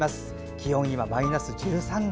気温はマイナス１３度。